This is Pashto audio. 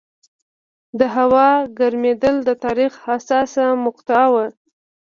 د هوا ګرمېدل د تاریخ حساسه مقطعه وه.